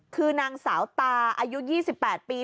คือนางสาวตาอายุ๒๘ปี